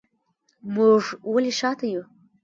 موږ ولې شاته یو؟